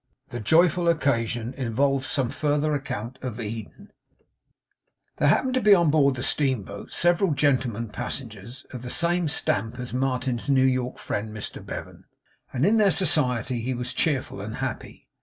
THE JOYFUL OCCASION INVOLVES SOME FURTHER ACCOUNT OF EDEN There happened to be on board the steamboat several gentlemen passengers, of the same stamp as Martin's New York friend Mr Bevan; and in their society he was cheerful and happy.